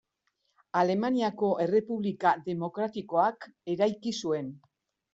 Alemaniako Errepublika demokratikoak eraiki zuen.